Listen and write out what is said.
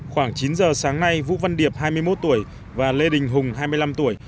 khoảng chín giờ sáng nay vũ văn điệp hai mươi một tuổi và lê đình hùng hai mươi năm tuổi